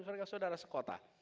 mereka saudara sekota